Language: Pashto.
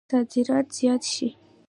صادرات زیات شي.